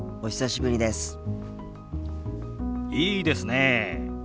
いいですねえ。